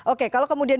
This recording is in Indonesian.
oke kalau kemudian